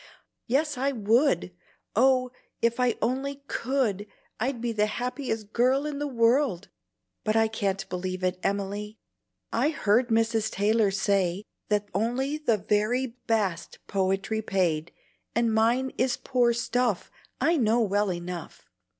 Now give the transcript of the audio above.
"Yes, I would! oh, if I only COULD, I'd be the happiest girl in the world! But I can't believe it, Emily. I heard Mrs. Taylor say that only the VERY BEST poetry paid, and mine is poor stuff, I know well enough."